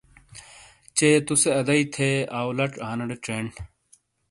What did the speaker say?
چے تُو سے ادائی تھے آؤ لَچ آنیڑے چینڈ۔